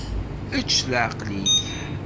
Ečč s leɛqel-ik.